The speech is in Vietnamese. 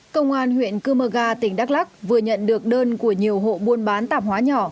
công an huyện cơ mơ ga tỉnh đắk lắc vừa nhận được đơn của nhiều hộ buôn bán tạp hóa nhỏ